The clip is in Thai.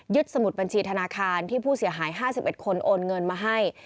สมุดบัญชีธนาคารที่ผู้เสียหาย๕๑คนโอนเงินมาให้